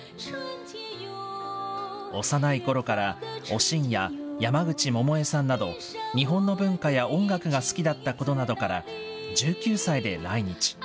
幼いころからおしんや山口百恵さんなど、日本の文化や音楽が好きだったことなどから、１９歳で来日。